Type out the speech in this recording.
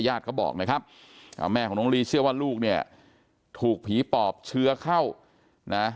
ญาติเขาบอกนะครับแม่ของน้องลีเชื่อว่าลูกเนี่ยถูกผีปอบเชื้อเข้านะ